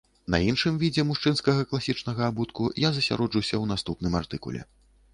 На іншым відзе мужчынскага класічнага абутку я засяроджуся ў наступным артыкуле.